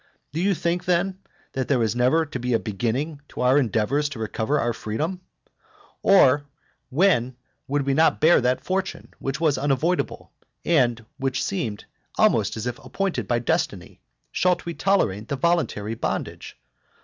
Do you think, then, that there is never to be a beginning of our endeavours to recover our freedom? Or, when we would not bear that fortune which was unavoidable, and which seemed almost as if appointed by destiny, shalt we tolerate the voluntary bondage?